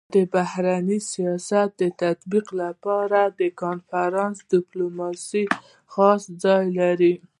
د بهرني سیاست د تطبيق لپاره د کنفرانس ډيپلوماسي خاص ځای لري.